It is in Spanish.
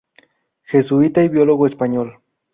Jesuita y biólogo español.